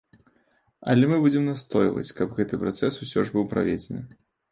Але мы будзем настойваць, каб гэты працэс усё ж быў праведзены.